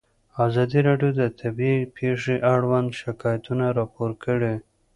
ازادي راډیو د طبیعي پېښې اړوند شکایتونه راپور کړي.